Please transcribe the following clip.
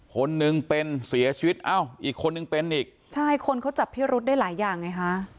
คนหนึ่งเป็นเสียชีวิตเอ้าอีกคนนึงเป็นอีกใช่คนเขาจับพิรุษได้หลายอย่างไงฮะ